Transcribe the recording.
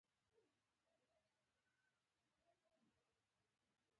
الینور روسیولوټ وایي په ځان باور کول د عالي رهبر کار دی.